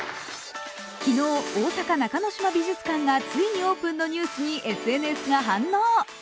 昨日、大阪中之島美術館がついにオープンのニュースにＳＮＳが反応。